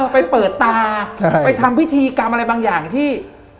ไปเปิดตาไปทำพิธีกรรมอะไรบางอย่างที่